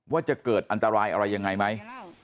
ว่าจะเกิดอันตรายอะไรยังไงไหม